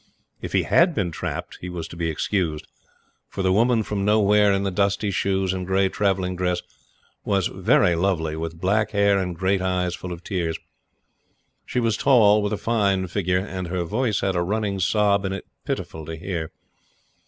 If he HAD been trapped, he was to be excused; for the woman from nowhere, in the dusty shoes, and gray travelling dress, was very lovely, with black hair and great eyes full of tears. She was tall, with a fine figure, and her voice had a running sob in it pitiful to hear.